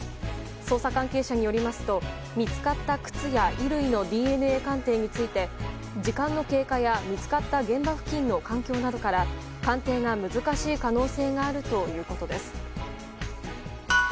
捜査関係者によりますと見つかった靴や衣類のＤＮＡ鑑定について時間の経過や見つかった現場付近の環境などから鑑定が難しい可能性があるということです。